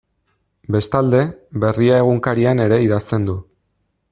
Bestalde, Berria egunkarian ere idazten du.